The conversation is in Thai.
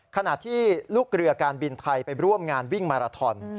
ขณะที่ลูกเรือการบินไทยไปร่วมงานวิ่งมาราทอน